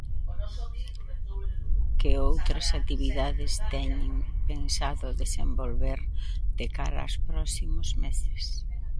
Que outras actividades teñen pensado desenvolver de cara aos próximos meses?